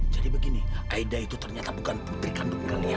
jadi begini aida itu ternyata bukan putri kandung kalian